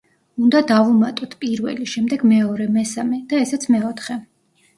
უნდა დავუმატოთ, პირველი, შემდეგ მეორე, მესამე, და ესეც მეოთხე.